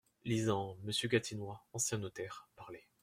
Lisant. "Monsieur Gatinois, ancien notaire." Parlé.